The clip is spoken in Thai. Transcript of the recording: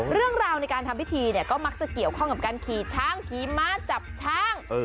เรื่องราวในการทำพิธีเนี่ยก็มักจะเกี่ยวข้องกับการขี่ช้างขี่ม้าจับช้าง